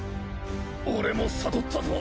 俺も悟ったぞ。